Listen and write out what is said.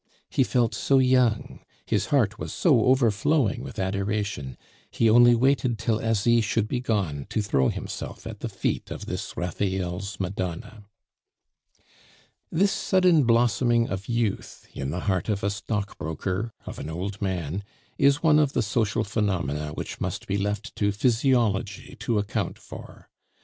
He felt so young, his heart was so overflowing with adoration; he only waited till Asie should be gone to throw himself at the feet of this Raphael's Madonna. This sudden blossoming of youth in the heart of a stockbroker, of an old man, is one of the social phenomena which must be left to physiology to account for.